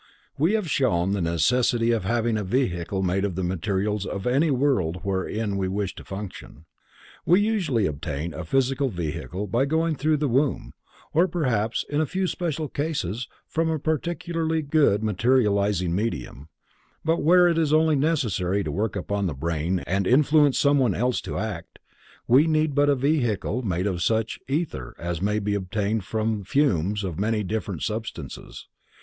We have shown the necessity of having a vehicle made of the materials of any world wherein we wish to function. We usually obtain a physical vehicle by going through the womb, or perhaps in a few special cases from a particularly good materializing medium, but where it is only necessary to work upon the brain and influence someone else to act, we need but a vehicle made of such ether as may be obtained from fumes of many different substances.